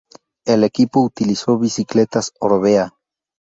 El equipo utilizó bicicletas Orbea.